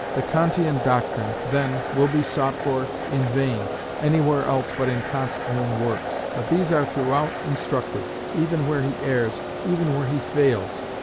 The Kantian doctrine then will be sought for in vain anywhere else but in Kant's own works; but these are throughout instructive, even where he errs, even where he fails.